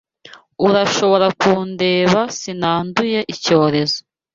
Urashobora kundeba sinanduye icyorezo.